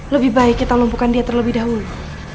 lebih baik kita lumpuhkan dia terlebih dahulu